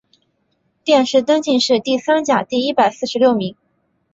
殿试登进士第三甲第一百四十六名。